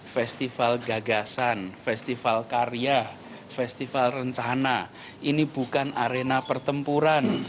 festival gagasan festival karya festival rencana ini bukan arena pertempuran